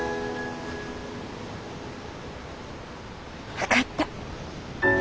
分かった。